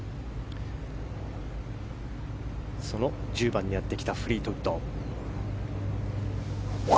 その１０番にやってきたフリートウッド。